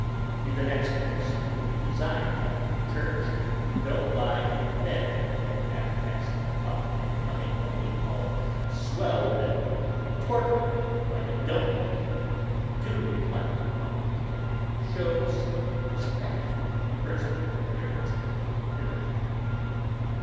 In the next place when you design coming to church, don't lie in bed until half past ten o'clock and then come in looking all swelled and torpid, like a doughnut. Do reflect upon it, and show some respect for your personal appearance hereafter.